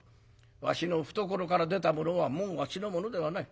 わしの懐から出たものはもうわしのものではない。